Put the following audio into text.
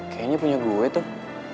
kayanya punya gue tuh